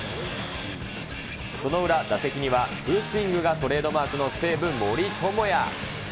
その裏、打席にはフルスイングがトレードマークの西武、森友哉。